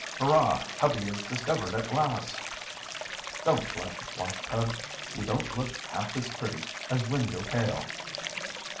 "Hurrah, Tubby is discovered at last." "Don't blush, Washtub! you don't look half as pretty as when you're pale."